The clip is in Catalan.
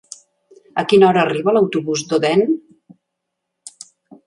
A quina hora arriba l'autobús d'Odèn?